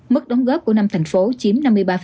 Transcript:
mức đóng góp của năm thành phố chiếm năm mươi ba